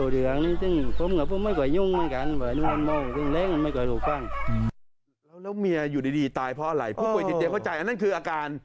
แล้วเมียอยู่ดีตายเพราะอะไรผู้ป่วยติดเตียงเข้าใจอันนั้นคืออาการ